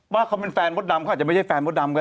ว่าเขาเป็นแฟนมดดำเขาอาจจะไม่ใช่แฟนมดดำก็